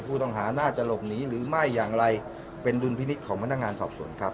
ผู้ต้องหาน่าจะหลบหนีหรือไม่อย่างไรเป็นดุลพินิษฐ์ของพนักงานสอบสวนครับ